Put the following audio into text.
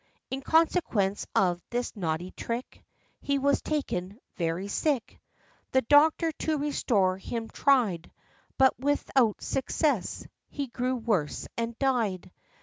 In consequence of this naughty trick, He was taken very sick. The doctor to restore him tried; But without success: he grew worse and died.